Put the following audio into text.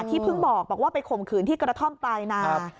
ที่เพิ่งบอกว่าไปข่มขืนที่กระท่อมปลายนา